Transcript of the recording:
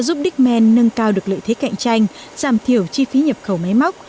giúp diemen nâng cao được lợi thế cạnh tranh giảm thiểu chi phí nhập khẩu máy móc